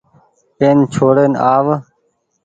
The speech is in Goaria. اين ڇوڙين آ و۔